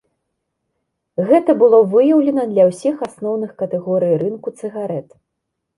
Гэта было выяўлена для ўсіх асноўных катэгорый рынку цыгарэт.